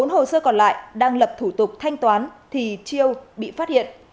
bốn hồ sơ còn lại đang lập thủ tục thanh toán thì chiêu bị phát hiện